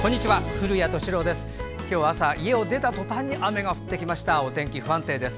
古谷敏郎です。